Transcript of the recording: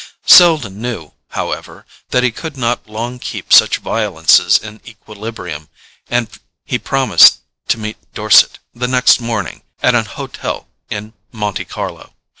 Selden knew, however, that he could not long keep such violences in equilibrium; and he promised to meet Dorset, the next morning, at an hotel in Monte Carlo.